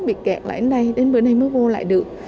bị kẹt lại đến đây đến bữa nay mới vô lại được